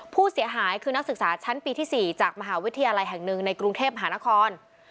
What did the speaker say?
ผู้เสียหายคือนักศึกษาชั้นปีที่๔จากมหาวิทยาลัยแห่งหนึ่งในกรุงเทพหานคร